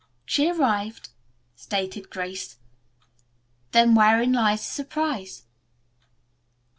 "She arrived," stated Grace. "Then wherein lies the surprise?"